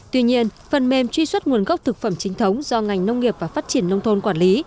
tuy nhiên phần mềm truy xuất nguồn gốc thực phẩm chính thống do ngành nông nghiệp và phát triển nông thôn quản lý